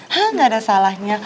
hah gak ada salahnya